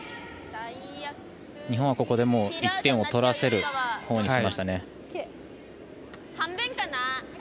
日本は、ここでもう１点を取らせるほうにしましたね。